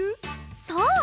そう！